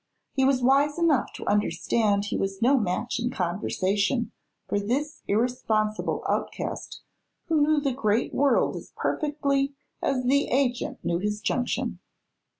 He was wise enough to understand he was no match in conversation for this irresponsible outcast who knew the great world as perfectly as the agent knew his junction.